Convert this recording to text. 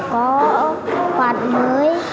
có quạt mới